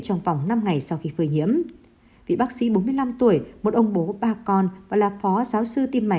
trong vòng năm ngày sau khi phơi nhiễm vị bác sĩ bốn mươi năm tuổi một ông bố ba con và là phó giáo sư tim mài